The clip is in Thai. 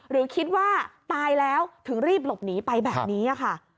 หรือคิดว่าตายแล้วถึงรีบหลบหนีไปแบบนี้ค่ะ